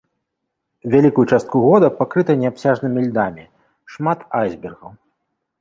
Вялікую частку года пакрыта неабсяжнымі льдамі, шмат айсбергаў.